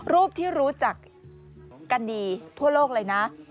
รูปที่รู้จักกันดีทั่วโลกเลยนะ